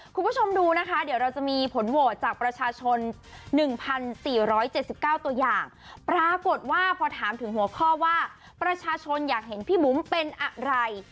คุณผู้ชมดูนะคะเดี๋ยวเราจะมีผลโหวตจากประชาชน๑๔๗๙ตัวอย่างปรากฏว่าพอถามถึงหัวข้อว่าประชาชนอยากเห็นพี่บุ๋มเป็นอะไร